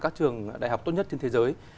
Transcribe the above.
các trường đại học tốt nhất trên thế giới